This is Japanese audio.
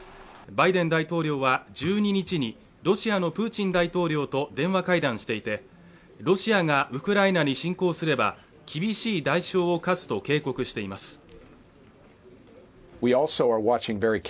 バイデン大統領は１２日にロシアのプーチン大統領と電話会談していてロシアがウクライナに侵攻すれば厳しい代償を科すと警告しています。